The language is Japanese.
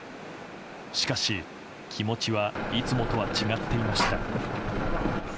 しかし、気持ちはいつもとは違っていました。